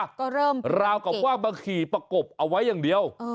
ก็เริ่มราวกับว่ามาขี่ประกบเอาไว้อย่างเดียว